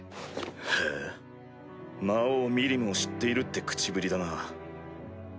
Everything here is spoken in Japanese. へぇ魔王ミリムを知っているって口ぶりだな。